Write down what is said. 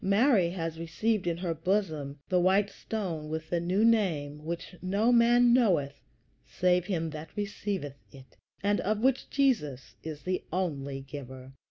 Mary has received in her bosom the "white stone with the new name, which no man knoweth save him that receiveth it," and of which Jesus only is the giver.